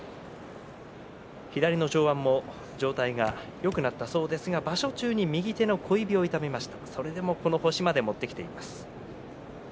左の上腕も状態がよくなったそうですが場所中に右手の甲を痛めました。